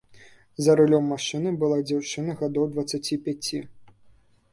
За рулём машыны была дзяўчына гадоў дваццаці пяці.